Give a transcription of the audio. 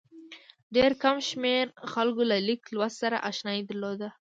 ډېر کم شمېر خلکو له لیک لوست سره اشنايي درلوده.